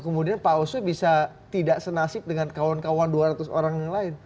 kemudian pak oso bisa tidak senasib dengan kawan kawan dua ratus orang yang lain